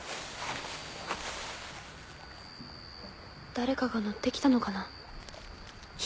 誰かが乗って来たのかな。